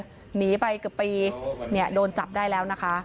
หนีไปเกือบปีเนี่ยโดนจับได้แล้วนะคะ